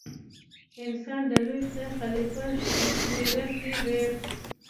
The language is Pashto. انسان د لوی خدای خلیفه شمېرل کیږي.